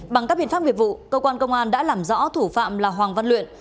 bằng các biện pháp biệt vụ công an đã làm rõ thủ phạm là hoàng văn luyện